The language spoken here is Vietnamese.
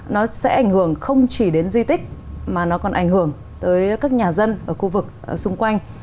nó sẽ ảnh hưởng không chỉ đến di tích mà nó còn ảnh hưởng tới các nhà dân ở khu vực xung quanh